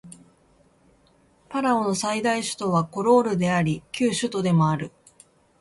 パラオの最大都市はコロールであり旧首都でもある